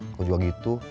aku juga gitu